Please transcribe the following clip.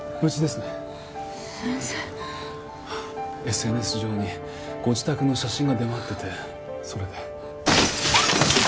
ＳＮＳ上にご自宅の写真が出回っててそれで。